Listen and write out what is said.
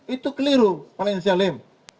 itu keliru paling selim